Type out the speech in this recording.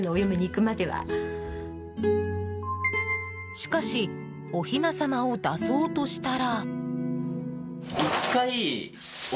しかし、おひな様を出そうとしたら。